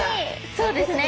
そうですね。